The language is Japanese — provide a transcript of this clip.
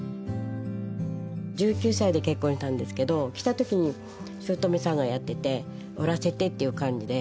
１９歳で結婚したんですけど来た時にしゅうとめさんがやってて「織らせて」っていう感じで。